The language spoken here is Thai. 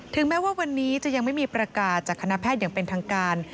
แม้ว่าวันนี้จะยังไม่มีประกาศจากคณะแพทย์อย่างเป็นทางการ